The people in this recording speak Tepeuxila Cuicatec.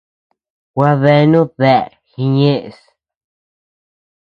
Gua deanu dea jiñeʼes.